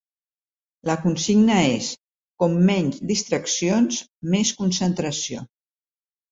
La consigna és: com menys distraccions, més concentració.